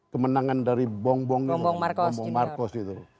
kemenangan dari bongbong markos